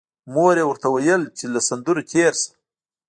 مور یې ورته ویل چې له سندرو تېر شه